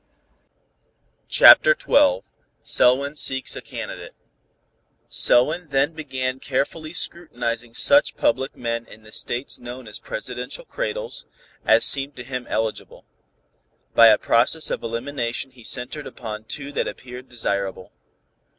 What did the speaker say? CHAPTER XII SELWYN SEEKS A CANDIDATE Selwyn then began carefully scrutinizing such public men in the States known as Presidential cradles, as seemed to him eligible. By a process of elimination he centered upon two that appeared desirable.